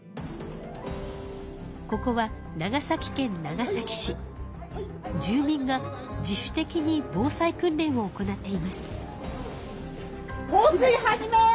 ここは住民が自主的に防災訓練を行っています。